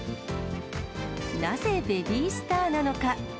なぜベビースターなのか。